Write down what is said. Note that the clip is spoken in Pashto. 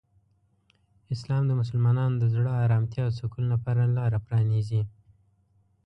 اسلام د مسلمانانو د زړه آرامتیا او سکون لپاره لاره پرانیزي.